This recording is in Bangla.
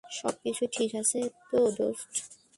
সবকিছু ঠিক আছে তো, দোস্ত?